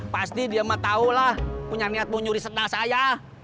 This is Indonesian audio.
pasti dia mah tau lah punya niat mau nyuri senal saya